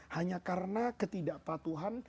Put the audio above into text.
hanya karena ketidakpatuhan